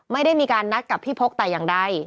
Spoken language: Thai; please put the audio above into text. ไม่ได้มีการนัดกับพี่พกแต่อย่างใด